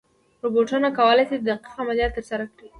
روبوټونه کولی شي دقیق عملیات ترسره کړي.